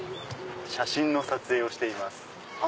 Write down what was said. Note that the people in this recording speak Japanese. ・写真の撮影をしてます。